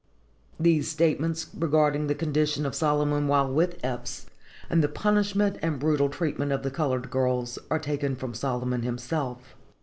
These statements regarding the condition of Solomon while with Eppes, and the punishment and brutal treatment of the colored girls, are taken from Solomon himself.